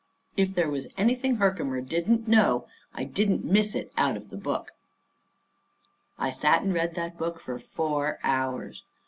If there was anything Herkimer didn't know I didn't miss it out of the book. I sat and read that book for four hours.